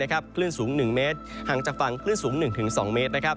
คลื่นสูง๑เมตรห่างจากฝั่งคลื่นสูง๑๒เมตร